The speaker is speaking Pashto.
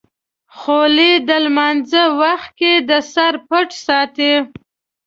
خولۍ د لمانځه وخت کې د سر پټ ساتي.